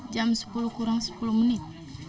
jam sepuluh kurang sepuluh menit